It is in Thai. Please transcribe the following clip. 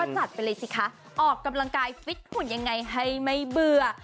จัดไปเลยสิคะออกกำลังกายฟิตหุ่นยังไงให้ไม่เบื่อ